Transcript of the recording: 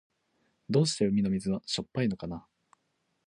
どうして海の水はしょっぱいのかな。